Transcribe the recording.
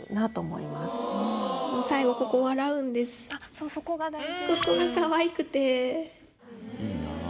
そうそこが大事。